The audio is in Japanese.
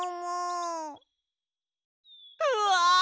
うわ！